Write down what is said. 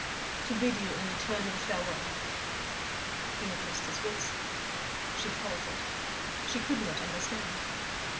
"To bid you an eternal farewell." He had lost his wits, she faltered, she could not understand....